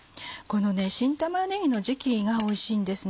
この新玉ねぎの時期がおいしいんです。